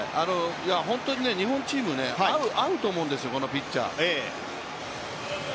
本当に日本チーム、合うと思うんですよ、このピッチャー。